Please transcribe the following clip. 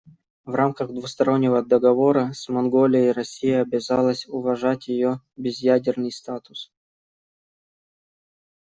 В рамках двустороннего договора с Монголией Россия обязалась уважать ее безъядерный статус.